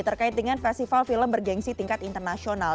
terkait dengan festival film bergensi tingkat internasional